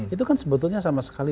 itu kan sebetulnya sama sekali